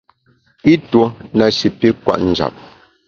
I tuo na shi pi kwet njap.